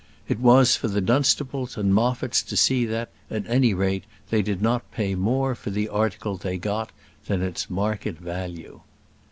It was for the Dunstables and Moffats to see that, at any rate, they did not pay more for the article they got than its market value.